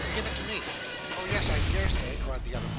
'Give it to me.' 'Oh yes, I dare say,' cried the other boy.